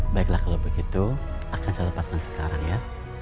baiklah kalau begitu akan saya lepaskan sekarang ya